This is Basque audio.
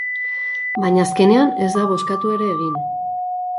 Baina azkenean ez da bozkatu ere egin.